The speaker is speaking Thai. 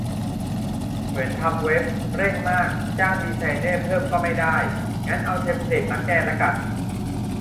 เหมือนทำเว็บ เร่งมาก จ้างดีไซเนอร์เพิ่มก็ไม่ได้ งั้นเอาเทมเพลตมาแก้ละกัน